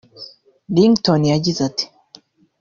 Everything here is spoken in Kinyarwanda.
Ringotne yagize ati